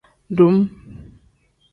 Dum.